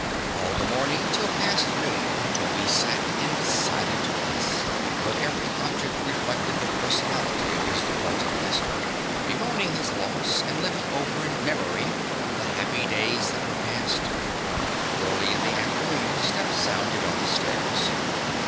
All the morning and till past noon Toby sat in the silent place, where every object reflected the personality of his departed master, bemoaning his loss and living over in memory the happy days that were past. Early in the afternoon steps sounded on the stairs.